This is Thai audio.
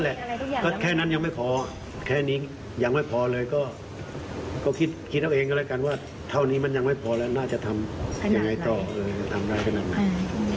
เท่านี้มันยังไม่พอแล้วน่าจะทำยังไงต่อ